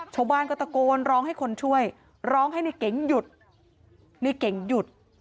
ชาวบ้านก็ตะโกนร้องให้คนช่วยร้องให้ในเก๋งหยุดในเก๋งหยุด